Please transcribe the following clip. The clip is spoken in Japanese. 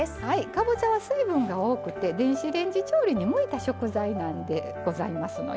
かぼちゃは水分が多くて電子レンジ調理に向いた食材なんでございますのよ。